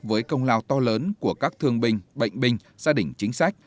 với công lao to lớn của các thương binh bệnh binh gia đình chính sách